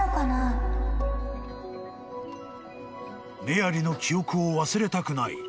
［メアリの記憶を忘れたくない］